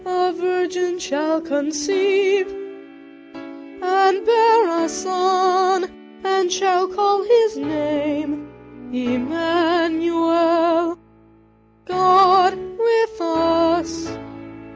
a vir gin shall con ceive, and bear a son, and shall call his name Em man u el; God with us.